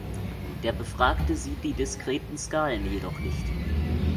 Der Befragte sieht die diskreten Skalen jedoch nicht.